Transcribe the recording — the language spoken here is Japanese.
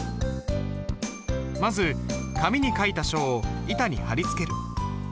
まず紙に書いた書を板に貼り付ける。